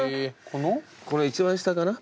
この一番下かな？